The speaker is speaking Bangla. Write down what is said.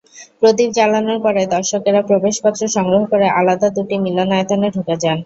প্রদীপ জ্বালানোর পরে দর্শকেরা প্রবেশপত্র সংগ্রহ করে আলাদা দুটি মিলনায়তনে ঢুকে যান।